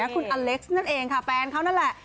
คุณอเล็กซ์นั่นเองค่ะแฟนเขานั่นแหละ